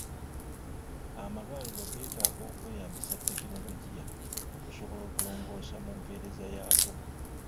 Amalwaliro geetaaga okweyambisa tekinologiya okusobola okulongoosa mu mpeereza yaago.